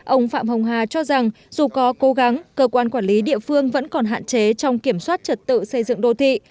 ông phạm hồng hà cho rằng dù có cố gắng cơ quan quản lý địa phương vẫn còn hạn chế trong kiểm soát trật tự xây dựng đô thị